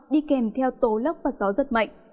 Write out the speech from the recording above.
đi kèm theo tố lốc và gió rất mạnh